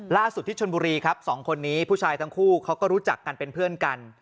ที่ชนบุรีครับสองคนนี้ผู้ชายทั้งคู่เขาก็รู้จักกันเป็นเพื่อนกัน